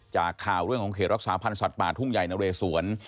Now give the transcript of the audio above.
จากข่าวเรื่องของเขตรักษาพันธ์สัตว์ป่าทุ่งใหญ่นะเรสวน